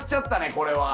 これは。